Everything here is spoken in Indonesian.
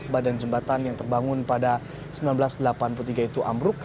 badan jembatan yang terbangun pada seribu sembilan ratus delapan puluh tiga itu amruk